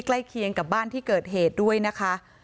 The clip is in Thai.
ใกล้เคียงกับบ้านที่เกิดเหตุด้วยนะคะ